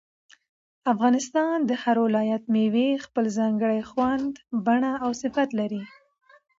د افغانستان د هر ولایت مېوې خپل ځانګړی خوند، بڼه او صفت لري.